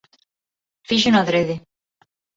Fíxeno adrede.